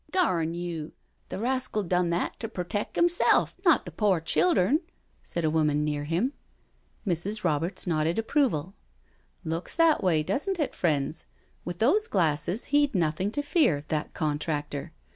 " Garn you I the rascal done that to perteckt 'imself, not the pore childern," said a woman near him. Mrs. Roberts nodded approval. " Looks that way, doesn't it, friends? With those glasses he'd nothing to fear, that contractor.